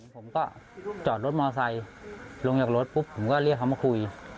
ผมก็จอดรถมอไซค์ลงจากรถปุ๊บผมก็เรียกเขามาคุย